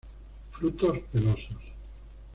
Frutos pelosos.